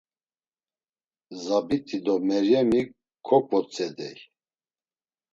Zabit̆i do Meryemi koǩvotzedey.